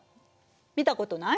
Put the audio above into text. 見たことない？